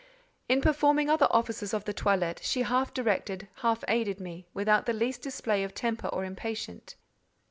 In performing other offices of the toilet, she half directed, half aided me, without the least display of temper or impatience.